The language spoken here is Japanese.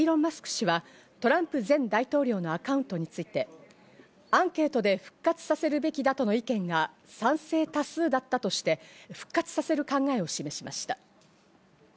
氏はトランプ前大統領のアカウントについて、アンケートで復活させるべきだとの意見が賛成多数だったとして、復活させる考えを示しました。